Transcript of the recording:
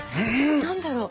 何だろう？